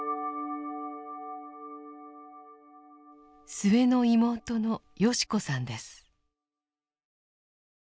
末の妹の良子さんです。